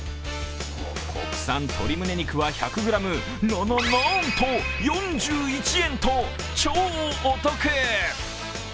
国産鶏むね肉は１００ｇな、な、なんと４１円と超お得。